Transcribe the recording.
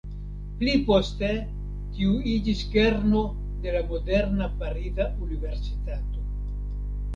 Pli poste tiu iĝis kerno de la moderna pariza universitato.